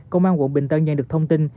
công an quận bình tân nhận được thông tin